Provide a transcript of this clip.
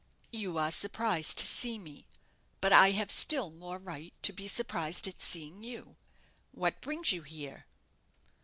"You are surprised to see me; but I have still more right to be surprised at seeing you. What brings you here?"